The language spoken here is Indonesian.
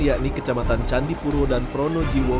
yakni kecamatan candipuro dan pronojiwo